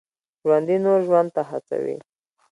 ژوندي نور ژوند ته هڅوي